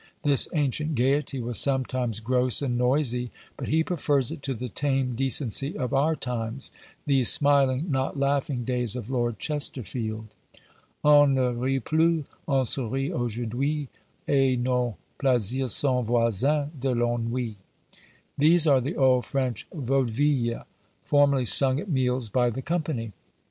This ancient gaiety was sometimes gross and noisy; but he prefers it to the tame decency of our times these smiling, not laughing days of Lord Chesterfield. On ne rit plus, on sourit aujourd'hui; Et nos plaisirs sont voisins de l'ennui. These are the old French Vaudevilles, formerly sung at meals by the company.